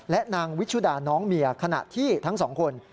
และนางวิชุดาน้องเมียขณะที่ทั้งสองคน